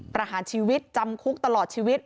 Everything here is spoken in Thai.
ประหารชีวิตจำคุกตลอดชีวิต